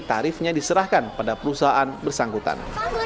tarifnya diserahkan pada perusahaan bersangkutan